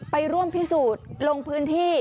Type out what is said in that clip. ไปร่วมพิสูจน์ลงพื้นที่